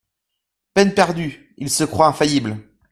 Peine perdue ! Il se croit infaillible.